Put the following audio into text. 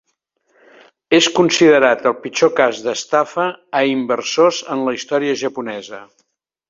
És considerat el pitjor cas d'estafa a inversors en la història japonesa.